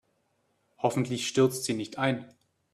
Hoffentlich stürzt sie nicht ein.